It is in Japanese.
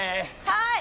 はい！